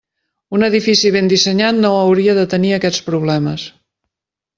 Un edifici ben dissenyat no hauria de tenir aquests problemes.